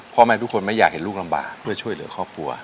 พ่อแม่ทุกคนไม่อยากเห็นลูกลำบากเพื่อช่วยเหลือครอบครัว